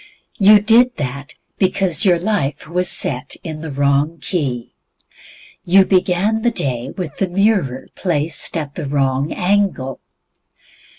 You did that because your life was set in the wrong key. You began the day with the mirror placed at the wrong angle.